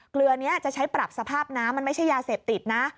เกลือนี้จะใช้ปรับสภาพน้ำมันไม่ใช่ยาเสพติดนะ